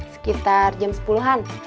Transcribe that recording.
sekitar jam sepuluh an